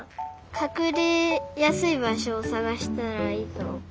かくれやすいばしょをさがしたらいいと。